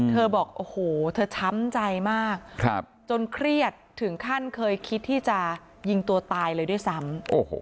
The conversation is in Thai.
บอกโอ้โหเธอช้ำใจมากจนเครียดถึงขั้นเคยคิดที่จะยิงตัวตายเลยด้วยซ้ำ